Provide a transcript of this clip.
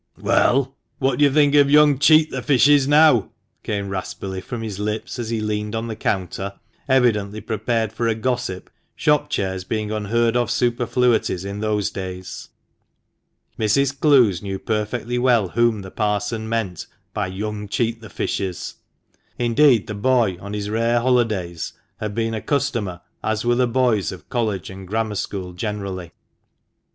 " Well, what do you think of young Cheat the fishes now ?" came raspily from his lips, as he leaned on the counter, evidently prepared for a gossip, shop chairs being unheard of superfluities in those days. Mrs. Clowes knew perfectly well whom the parson meant by " young Cheat the fishes "; indeed, the boy, on his rare holidays, had been a customer, as were the boys of College and Grammar School generally. "Now?